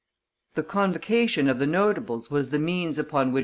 The convocation of the Notables was the means upon which M.